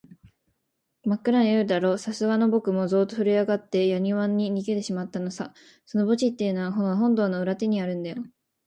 まっくらな夜だろう、さすがのぼくもゾーッとふるえあがって、やにわに逃げだしてしまったのさ。その墓地っていうのは、この本堂の裏手にあるんだよ。